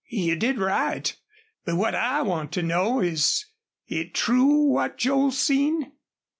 "You did right. But what I want to know, is it true what Joel seen?"